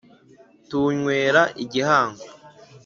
Tuwunywera igihango